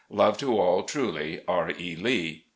Love to all. Truly, R. E. Lee."